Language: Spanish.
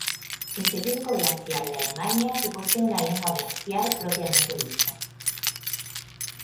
Es el único glaciar de Alemania que posee una lengua glaciar propiamente dicha.